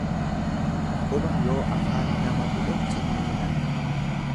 Quba yoo afaan nama bu'e ciniinan.